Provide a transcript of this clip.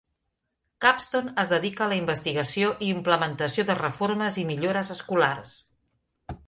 Capstone es dedica a la investigació i implementació de reformes i millores escolars.